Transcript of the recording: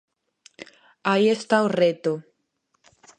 Aí está o reto.